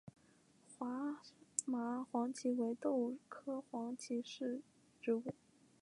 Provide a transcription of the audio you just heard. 胡麻黄耆为豆科黄芪属的植物。